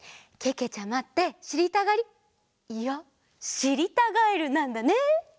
けけちゃまってしりたがりいやしりたガエルなんだね。